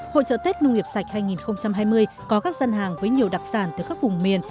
hội trợ tết nông nghiệp sạch hai nghìn hai mươi có các dân hàng với nhiều đặc sản từ các vùng miền